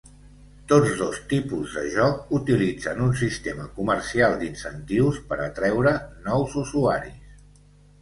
Tots dos tipus de joc, utilitzen un sistema comercial d'incentius per atreure nous usuaris.